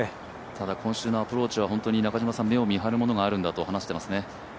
ただ、今週のアプローチは目を見張るものがあるんだと話していますよね。